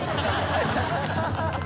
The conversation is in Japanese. ハハハハ！